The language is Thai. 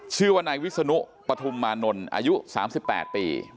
ชื่อว่านายวิศนุปฐุมมานนท์อายุ๓๘ปี